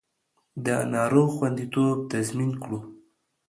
د ناروغ خوندیتوب تضمین کړو